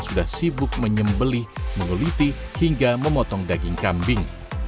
sudah sibuk menyembelih menguliti hingga memotong daging kambing